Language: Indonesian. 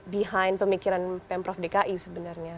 behind pemikiran pemprov dki sebenarnya